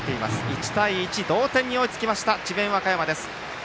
１対１、同点に追いつきました智弁和歌山です。